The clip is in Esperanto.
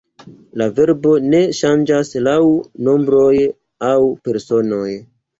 La verbo ne ŝanĝas laŭ nombroj aŭ personoj.